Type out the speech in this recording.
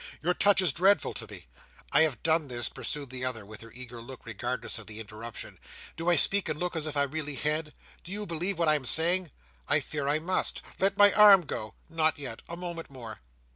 Your touch is dreadful to me!" "I have done this," pursued the other, with her eager look, regardless of the interruption. "Do I speak and look as if I really had? Do you believe what I am saying?" "I fear I must. Let my arm go!" "Not yet. A moment more.